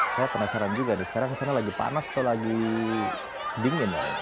saya penasaran juga nih sekarang kesana lagi panas atau lagi dingin ya